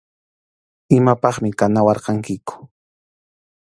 Imapaqmi kanawarqankiku.